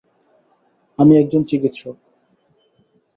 আমি একজন চিকিৎসক।